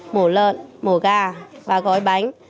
mổ lợn mổ gà và gói bánh